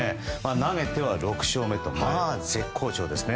投げては６勝目とまあ絶好調ですね。